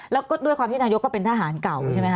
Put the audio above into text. แล้วก็ด้วยความที่นายกก็เป็นทหารเก่าใช่ไหมค